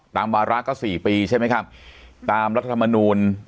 วาระก็๔ปีใช่ไหมครับตามรัฐธรรมนูล